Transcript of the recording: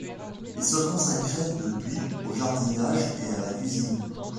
Il se consacrait depuis au jardinage et à la cuisine.